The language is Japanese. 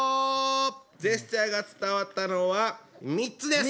ジェスチャーが伝わったのは３つです！